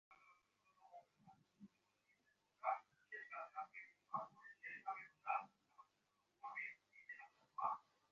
সাংখ্যেরা ও অন্যান্য ধর্মাচার্যগণ চৈতন্যকে অগ্রে স্থাপন করেন।